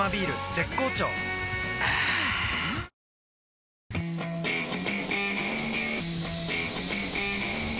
絶好調あぁプシューッ！